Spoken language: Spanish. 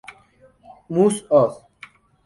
Mus., Odd.